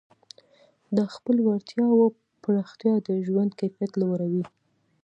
د خپلو وړتیاوو پراختیا د ژوند کیفیت لوړوي.